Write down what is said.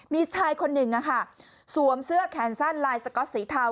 มีชายคนหนึ่งสวมเสื้อแขนสั้นลายสก๊อตสีเทา